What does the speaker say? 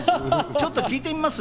ちょっと聞いてみます？